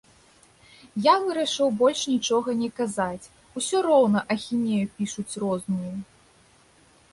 Я вырашыў больш нічога не казаць, усё роўна ахінею пішуць розную.